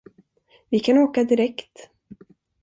Vi kan åka direkt.